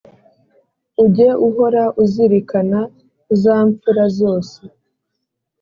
Ujye uhora uzirikana zapfura zose